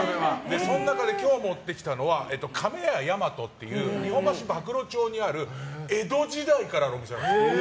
その中で今日持ってきたのは亀屋大和という日本橋馬喰町にある江戸時代からのお店なんです。